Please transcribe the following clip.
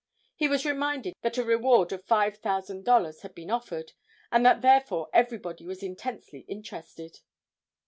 He was reminded that a reward of $5,000 had been offered, and that therefore everybody was intensely interested.